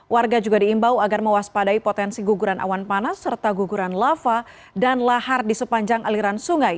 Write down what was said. warga juga diimbau agar mewaspadai potensi guguran awan panas serta guguran lava dan lahar di sepanjang aliran sungai